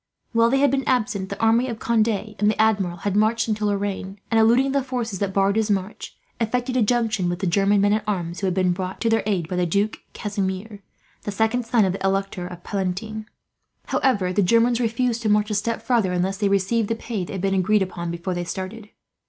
While they had been absent, the army of Conde and the Admiral had marched into Lorraine and, eluding the forces that barred his march, effected a junction with the German men at arms who had been brought to their aid by the Duke Casimir, the second son of the Elector Palatine. However, the Germans refused to march a step farther, unless they received the pay that had been agreed upon before they started.